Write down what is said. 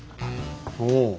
おお！